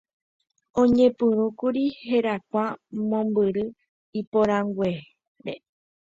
oñepyrũkuri herakuã mombyry iporãnguére